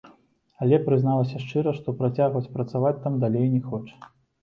Але прызналася шчыра, што працягваць працаваць там далей не хоча.